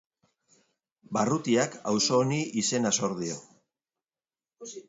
Barrutiak auzo honi izena zor dio.